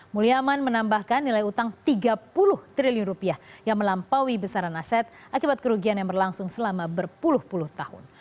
mulyaman menambahkan nilai utang tiga puluh triliun rupiah yang melampaui besaran aset akibat kerugian yang berlangsung selama berpuluh puluh tahun